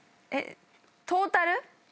トータル？